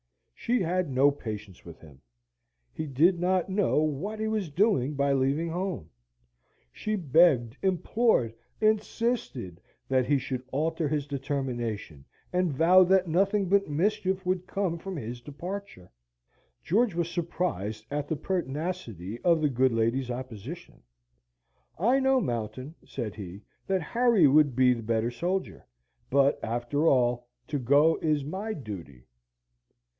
She had no patience with him. He did not know what he was doing by leaving home. She begged, implored, insisted that he should alter his determination; and vowed that nothing but mischief would come from his departure. George was surprised at the pertinacity of the good lady's opposition. "I know, Mountain," said he, "that Harry would be the better soldier; but, after all, to go is my duty."